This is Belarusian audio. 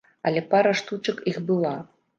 Але пара штучак іх была.